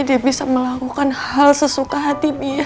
dia bisa melakukan hal sesuka hati dia